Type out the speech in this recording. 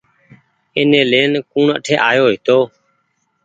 ايني ڪوڻ لين اٺي آيو هيتو۔